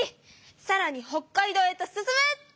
「さらに北海道へと進む」。